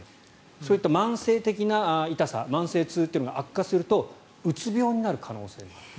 そういった慢性的な痛さ慢性痛が悪化するとうつ病になる可能性もある。